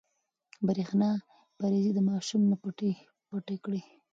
برېښنا پريزې د ماشوم نه پټې کړئ.